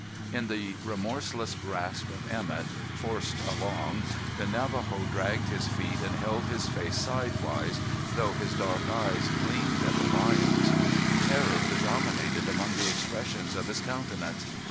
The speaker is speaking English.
In the remorseless grasp of Emett, forced along, the Navajo dragged his feet and held his face sidewise, though his dark eyes gleamed at the lions. Terror predominated among the expressions of his countenance.